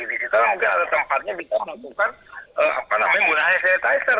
di situ mungkin ada tempatnya dikabutkan gunanya sanitizer